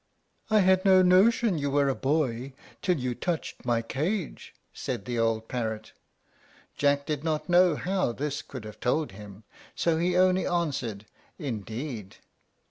"I had no notion you were a boy till you touched my cage," said the old parrot. Jack did not know how this could have told him, so he only answered, "Indeed!"